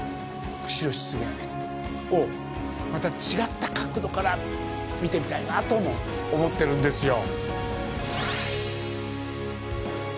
釧路湿原をまた違った角度から見てみたいなとも思ってるんですよ。